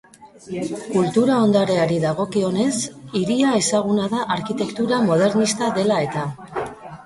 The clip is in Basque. Kultura ondareari dagokionez, hiria ezaguna da arkitektura modernista dela-eta.